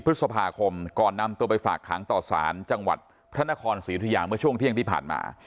พฤษภาคมก่อนนำตัวไปฝากขังต่อสารจังหวัดพระนครศรีธุยาเมื่อช่วงเที่ยงที่ผ่านมา